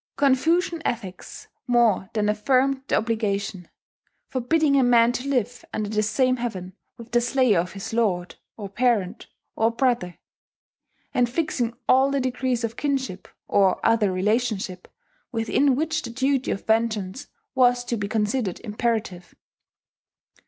Confucian ethics more than affirmed the obligation, forbidding a man to live "under the same heaven" with the slayer of his lord, or parent, or brother; and fixing all the degrees of kinship, or other relationship, within which the duty of vengeance was to be considered imperative.